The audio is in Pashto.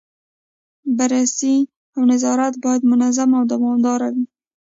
بررسي او نظارت باید منظم او دوامداره وي.